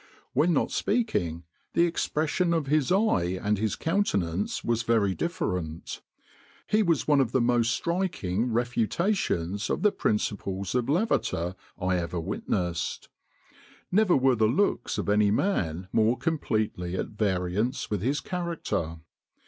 When not speaking, the expression of his eye and his countenance was very different. He was one of the most striking refutations of the principles of Lavater I ever witnessed. Never were the looks of any man more completely at variance with his character.